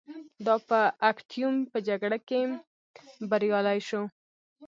دا په اکتیوم په جګړه کې بریالی شو